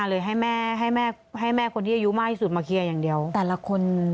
แล้วเขาเบาข์